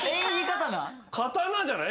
「刀」じゃない？